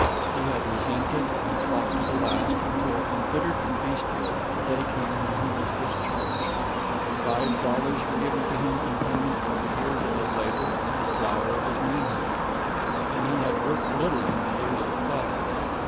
He had resented and fought to the last, until, embittered and bestial, the day came when he was discharged. Five dollars were given him in payment for the years of his labor and the flower of his manhood. And he had worked little in the years that followed.